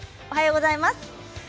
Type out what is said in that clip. おはようございます。